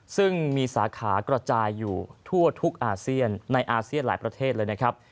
ซึ่งมีสาขากระจายอยู่ทั่วทุกอาเซียนในอาเซียนหลายประเทศเลยนะครับ